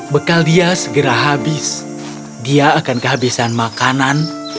bekal dia segera habis dia akan kehabisan makanan